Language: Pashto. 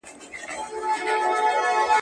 زه به مېوې وچولي وي؟!